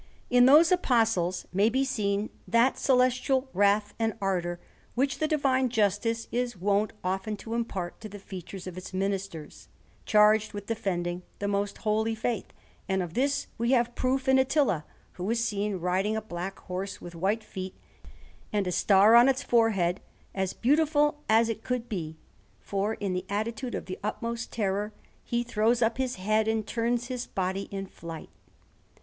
In those Apostles may be seen that celestial wrath and ardour which the Divine Justice is wont often to impart to the features of its ministers, charged with defending the most holy Faith; and of this we have proof in Attila, who is to be seen riding a black horse with white feet and a star on its forehead, as beautiful as it could be, for in an attitude of the utmost terror he throws up his head and turns his body in flight.